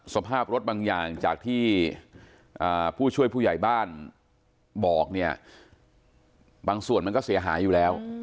สภาพรถบางอย่างจากที่ผู้ช่วยผู้ใหญ่บ้านบอกเนี่ยบางส่วนมันก็เสียหายอยู่แล้ว